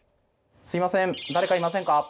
すいません誰かいませんか。